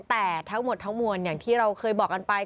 แต่ทั้งหมดทั้งมวลอย่างที่เราเคยบอกกันไป